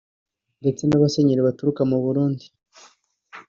ndetse n’abasenyeri baturuka mu Burundi